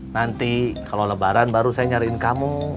nanti kalau lebaran baru saya nyariin kamu